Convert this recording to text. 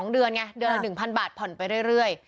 ๒เดือนไงเดือนละ๑๐๐บาทผ่อนไปเรื่อย